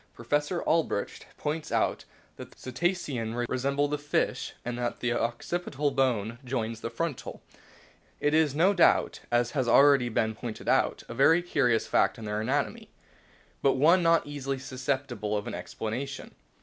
Professor Albrecht points out that the Cetacea resemble the CLASS1FICA TION 1 03 fishes in that the occipital bone joins the frontal. It is no doubt, as has already been pointed out, a very curious fact in their anatomy, and one not easily susceptible of an explanation.